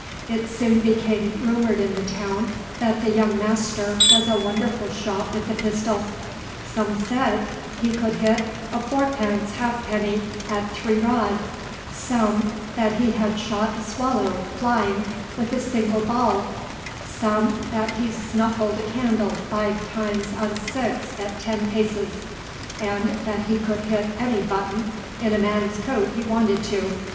It soon became rumored in the town that the young master was a wonderful shot with the pistol. Some said he could hit a fo'pence ha'penny at three rod; some, that he had shot a swallow, flying, with a single ball; some, that he snuffed a candle five times out of six at ten paces, and that he could hit any button in a man's coat he wanted to.